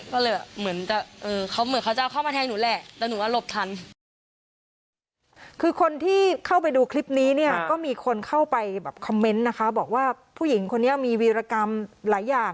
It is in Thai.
ก็เลยเหมือนจะเหมือนเขาจะเข้ามาแทนหนูแหละ